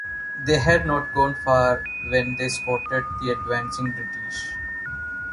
They had not gone far when they spotted the advancing British.